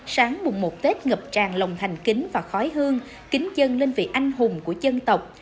sáng mùng một tết ngập tràn lòng thành kính và khói hương kính dân lên vị anh hùng của dân tộc